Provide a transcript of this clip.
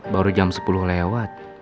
baru jam sepuluh lewat